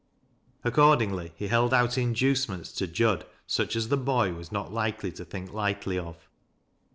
Accordingly, he held out in ducements to Jud such as the boy was not likely to think lightly of.